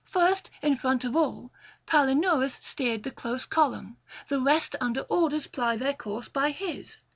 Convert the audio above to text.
First, in front of all, Palinurus steered the close column; the rest under orders ply their course by his.